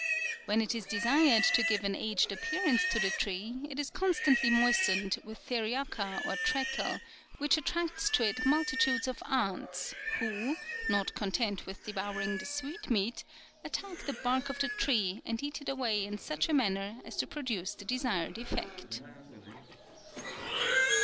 When it is desired to give an aged appearance to the tree, it is constantly moistened with theriaca or treacle, which attracts to it multitudes of ants, who not content with devouring the sweetmeat, attack the bark of the tree, and eat it away in such a manner as to produce the desired effect."